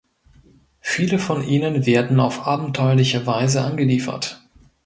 Viele von ihnen werden auf abenteuerliche Weise angeliefert.